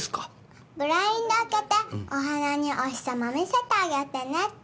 ブラインド開けてお花にお日様見せてあげてねって。